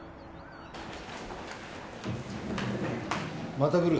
また来る。